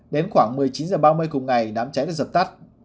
đến khoảng một mươi chín h ba mươi cùng ngày đám cháy được dập tắt